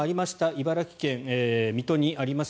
茨城県水戸にあります